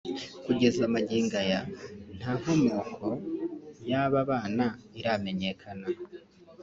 Kugeza magingo ay anta nkomoko y’aba bana iramenyekana